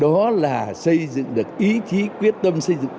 đó là xây dựng được ý chí quyết tâm xây dựng